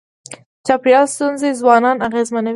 د چاپېریال ستونزي ځوانان اغېزمنوي.